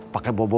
pake bobo bapak